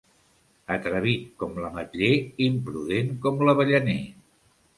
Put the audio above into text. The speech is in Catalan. Atrevit com l'ametller, imprudent com l'avellaner.